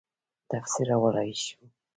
تفسیرولای شو.